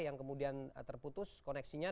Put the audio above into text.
yang kemudian terputus koneksinya